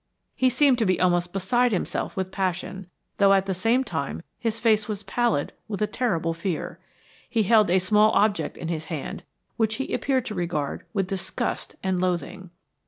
He seemed to be almost beside himself with passion, though at the same time his face was pallid with a terrible fear. He held a small object in his hand, which he appeared to regard with disgust and loathing.